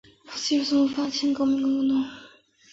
积极从事反清革命活动。